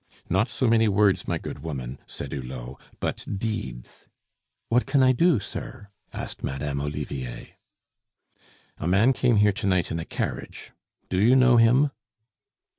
"Not so many words, my good woman," said Hulot, "but deeds " "What can I do, sir?" asked Madame Olivier. "A man came here to night in a carriage. Do you know him?"